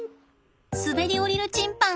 滑り降りるチンパン！